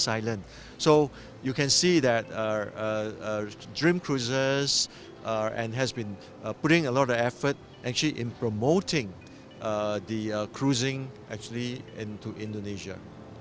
jadi anda bisa melihat bahwa dream cruises telah mencoba untuk mempromosikan perjalanan ke indonesia